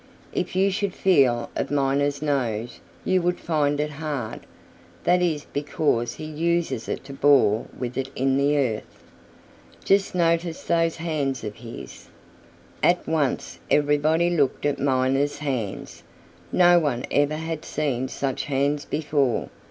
If you should feel of Miner's nose you would find it hard. That is because he uses it to bore with in the earth. Just notice those hands of his." At once everybody looked at Miner's hands. No one ever had seen such hands before.